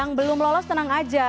yang belum lolos tenang aja